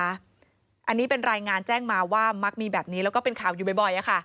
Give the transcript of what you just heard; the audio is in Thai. อันนี้เป็นรายงานแจ้งมาว่ามักมีแบบนี้แล้วก็เป็นข่าวอยู่บ่อย